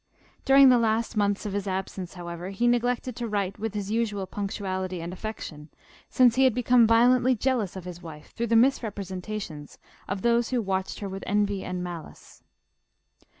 During the last months of his absence, however, he neglected to write with his usual punctuality and affection, since he had become violently jealous of his wife through the mis representations of those who watched her with envy and malice.